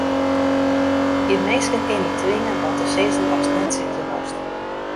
Gjin minske kin dy twinge wat te sizzen watst net sizze wolst.